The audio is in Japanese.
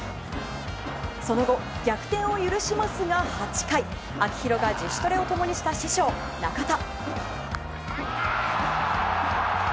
その後、逆転を許しますが、８回秋広が自主トレを共にした師匠・中田。